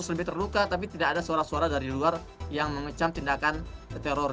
seratus lebih terluka tapi tidak ada suara suara dari luar yang mengecam tindakan teror